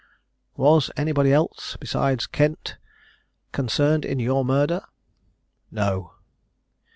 "Was anybody else, besides Kent, concerned in your murder?" "No."